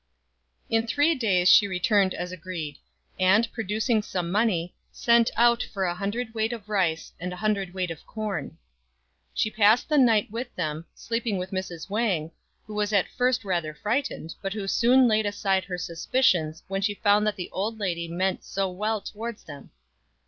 In three days she returned as agreed, and, producing some money, sent out for a hundred weight of rice and a hundred weight of corn. She passed the night with them, sleeping with Mrs. Wang, who was at first rather frightened, but who soon laid aside her suspicions when she found that the old lady meant so well towards them.